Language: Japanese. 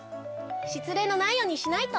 しつれいのないようにしないと。